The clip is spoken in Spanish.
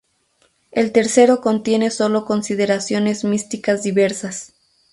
El tercero contiene solo consideraciones místicas diversas.